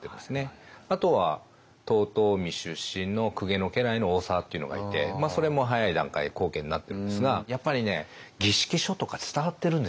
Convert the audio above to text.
あとは遠江出身の公家の家来の大沢っていうのがいてそれも早い段階で高家になってるんですがやっぱりね儀式書とか伝わってるんですよ。